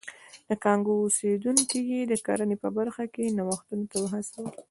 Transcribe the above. د کانګو اوسېدونکي یې د کرنې په برخه کې نوښتونو ته وهڅول.